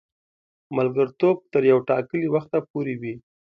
ملګرتوب تر یوه ټاکلي وخته پوري وي.